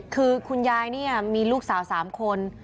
คือคุณยายเนี่ยมีลูกสาว๓คน